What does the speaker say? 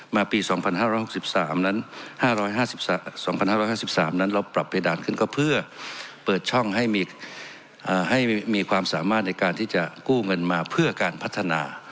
ปี๒๕๖๓นั้น๕๒๕๕๓นั้นเราปรับเพดานขึ้นก็เพื่อเปิดช่องให้มีความสามารถในการที่จะกู้เงินมาเพื่อการพัฒนา